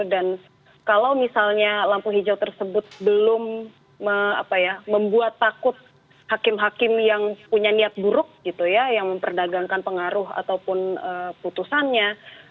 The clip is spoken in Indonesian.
dan kalau misalnya lampu hijau tersebut belum membuat takut hakim hakim yang punya niat buruk gitu ya yang memperdagangkan pengaruh ataupun putusannya